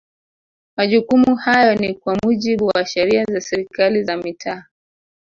Majukumu hayo ni kwa mujibu wa Sheria za serikali za mitaa